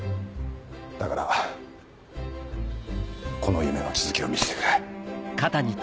だからこの夢の続きを見せてくれ。